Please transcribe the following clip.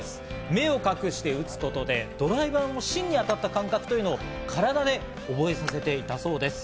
目を隠して打つことでドライバーの芯に当たった感覚というのを体で覚えさせていたそうです。